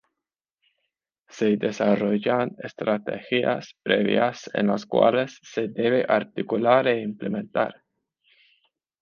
Se desarrollan estrategias previas en las cuales se debe articular e implementar.